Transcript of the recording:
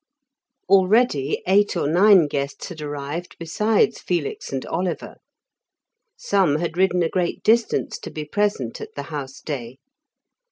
Already eight or nine guests had arrived besides Felix and Oliver. Some had ridden a great distance to be present at the House Day.